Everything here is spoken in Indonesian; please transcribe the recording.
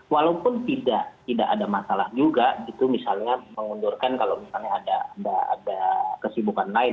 walaupun tidak ada masalah juga gitu misalnya mengundurkan kalau misalnya ada kesibukan lain